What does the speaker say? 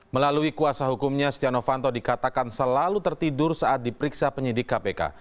melalui kuasa hukumnya setia novanto dikatakan selalu tertidur saat diperiksa penyidik kpk